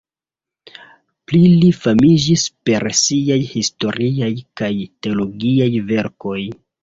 Pli li famiĝis per siaj historiaj kaj teologiaj verkoj.